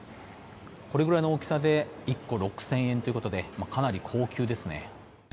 これぐらいの大きさで１個６０００円ということでかなり高級ですね。